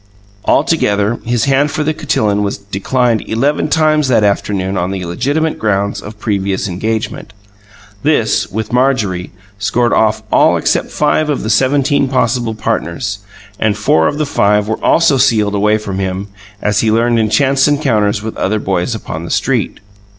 Altogether his hand for the cotillon was declined eleven times that afternoon on the legitimate ground of previous engagement. This, with Marjorie, scored off all except five of the seventeen possible partners; and four of the five were also sealed away from him, as he learned in chance encounters with other boys upon the street.